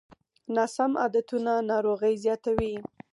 ناسم عادتونه ناروغۍ زیاتوي.